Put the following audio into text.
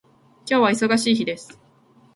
今日は忙しい日です